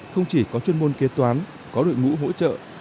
không chỉ có chuyên môn kế toán có đội ngũ hỗ trợ